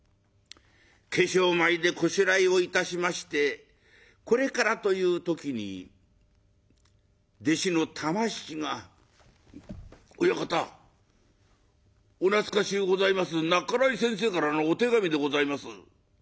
化粧前でこしらえをいたしましてこれからという時に弟子の玉七が「親方お懐かしゅうございます半井先生からのお手紙でございます」。